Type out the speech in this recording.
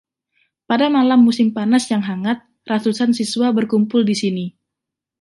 Pada malam musim panas yang hangat, ratusan siswa berkumpul di sini.